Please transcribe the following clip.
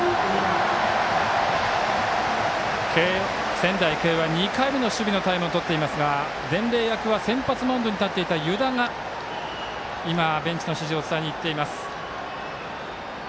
仙台育英は２回目の守備のタイムをとっていますが伝令役は先発マウンドに立っていた湯田が今、ベンチの指示を伝えにいっています。